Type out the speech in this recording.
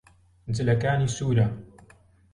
جلەکانی سوورە.